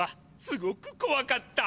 すごくこわかった？